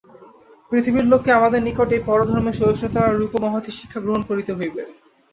পৃথিবীর লোককে আমাদের নিকট এই পরধর্মে সহিষ্ণুতা-রূপ মহতী শিক্ষা গ্রহণ করিতে হইবে।